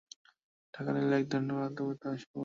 টাকা নিলেই এক ধরনের বাধ্যবাধকতা এসে পড়ে।